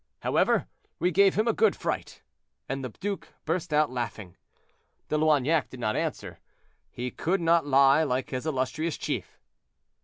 However, we gave him a good fright;" and the duke burst out laughing. De Loignac did not answer; he could not lie like his illustrious chief.